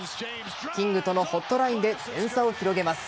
キングとのホットラインで点差を広げます。